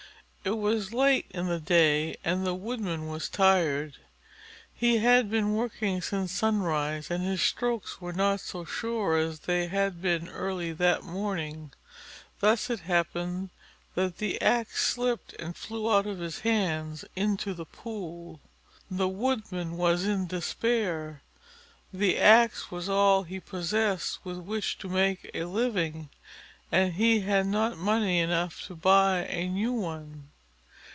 It was late in the day and the Woodman was tired. He had been working since sunrise and his strokes were not so sure as they had been early that morning. Thus it happened that the axe slipped and flew out of his hands into the pool. The Woodman was in despair. The axe was all he possessed with which to make a living, and he had not money enough to buy a new one.